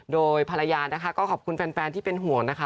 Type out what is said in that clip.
โดยภรรยานะคะก็ขอบคุณแฟนที่เป็นห่วงนะคะ